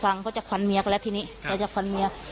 เพราะว่าจะควันเมียไปแล้วทีนี้อ๋อเขาจะควันเมีย